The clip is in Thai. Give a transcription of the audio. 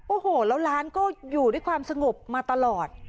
โอ้โหแล้วร้านก็อยู่ด้วยความสงบมาตลอด